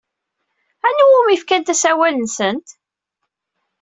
Anwa umi fkant asawal-nsent?